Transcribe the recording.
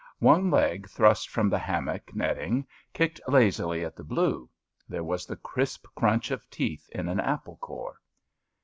One leg thrust from the hammock netting kicked lazily at the blue. There was the crisp crunch of teeth in an apple core.